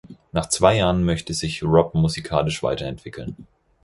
Nach zwei Jahren möchte sich Rob musikalisch weiterentwickeln.